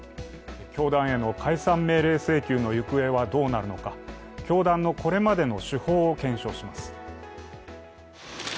教団への解散命令請求の行方はどうなるのか教団のこれまでの手法を検証します。